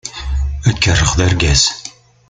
Ad k-rreɣ d argaz.